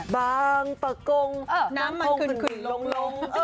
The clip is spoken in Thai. บางปะโกงน้ำมันขึ้นขึ้นลงลง